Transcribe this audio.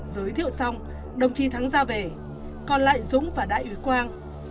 giới thiệu xong đồng chí thắng ra về còn lại dũng và đại úy quang